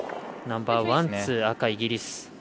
ナンバーワン、ツー、赤イギリス。